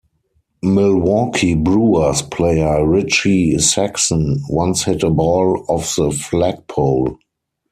Milwaukee Brewers player Richie Sexson once hit a ball off the flagpole.